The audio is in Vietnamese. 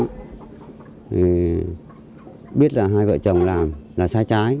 thì biết là hai vợ chồng làm là sai trái